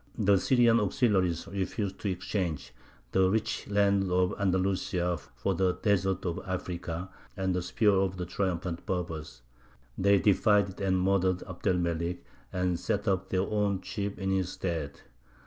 The Syrian auxiliaries refused to exchange the rich lands of Andalusia for the deserts of Africa and the spears of triumphant Berbers; they defied and murdered Abd el Melik, and set up their own chief in his stead.